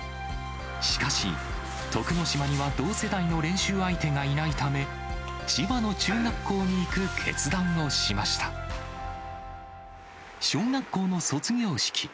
しかし、徳之島には同世代の練習相手がいないため、千葉の中学校に行く決小学校の卒業式。